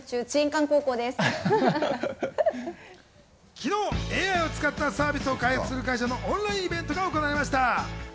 昨日、ＡＩを使ったサービスを開発する会社のオンラインイベントが行われました。